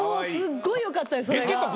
すっごいよかったですそれが。